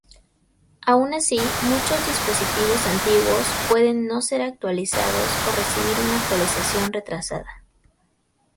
Aun así, muchos dispositivos antiguos pueden no ser actualizados, o recibir una actualización retrasada.